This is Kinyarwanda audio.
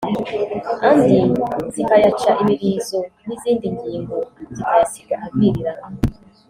andi zikayaca imirizo n’izindi ngingo zikayasiga aviririna